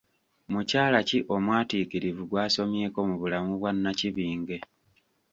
Mukyala ki omwatiikirivu gw'osomyeko mu bulamu bwa Nnakibinge ?